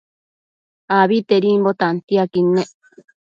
Abitedimbo tantiaquid nec